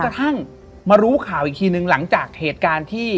กระทั่งมารู้ข่าวอีกทีนึงหลังจากเหตุการณ์ที่